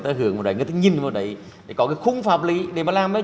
thì người ta nhìn vào luật